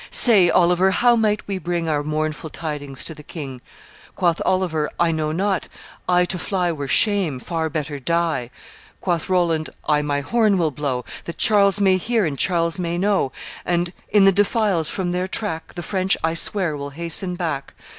Say, Oliver, how might we bring Our mournful tidings to the king?' Quoth Oliver, 'I know not, I To fly were shame; far better die.' Quoth Roland, 'I my horn will blow, That Charles may hear and Charles may know; And, in the defiles, from their track The French, I swear, will hasten back.